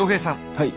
はい。